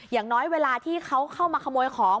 อย่างน้อยเวลาที่เขาเข้ามาขโมยของ